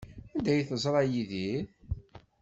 Anda ay teẓra Yidir?